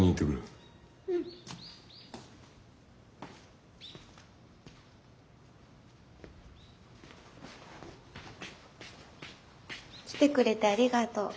うん。来てくれてありがとう。